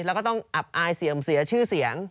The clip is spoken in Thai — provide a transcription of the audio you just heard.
แล้วก็ต้องอับอายเสียชื่อเสียง